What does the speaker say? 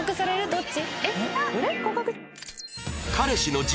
どっち？